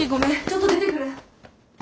ちょっと出てくる。